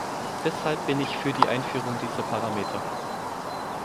Deshalb bin ich für die Einführung dieser Parameter.